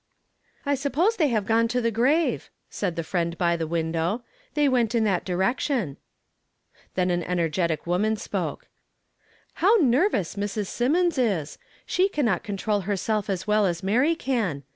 '" "I suppose they have gone to the grave," said the friend by the window; "they Avent in that direction." Tiien an energetic woman spoke. "How ner vous Mrs. Symonds is ! she cannot conti'ol herself as well as Mary can.